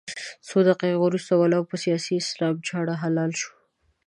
څو دقيقې وروسته ولو په سیاسي اسلام چاړه حلال شو.